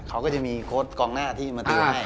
เขาก็จะมีโค้ดกองหน้าที่มาเติมให้